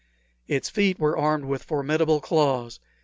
Its feet were armed with formidable claws.